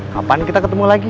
kapan kita ketemu lagi